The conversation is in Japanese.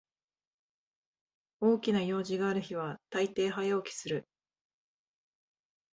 大きな用事がある日はたいてい早起きする